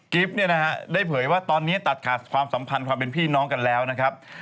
เนี่ยนะฮะได้เผยว่าตอนนี้ตัดขาดความสัมพันธ์ความเป็นพี่น้องกันแล้วนะครับ